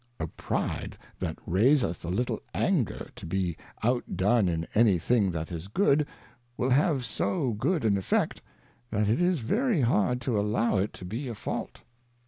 A Pride that raiseth a little Anger to be out done in any thing that is good, will have so good an Effect, that it is very hard to allow it to be a Fault.